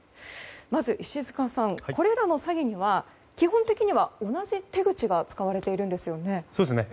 まず、石塚さんこれらの詐欺には基本的には同じ手口が使われているんですよね。